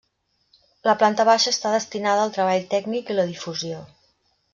La planta baixa està destinada al treball tècnic i la difusió.